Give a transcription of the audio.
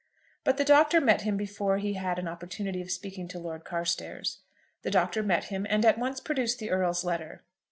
But the Doctor met him before he had an opportunity of speaking to Lord Carstairs. The Doctor met him, and at once produced the Earl's letter.